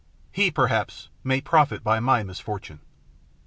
He, perhaps, may profit by my misfortune.